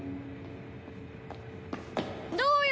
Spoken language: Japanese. どうよ？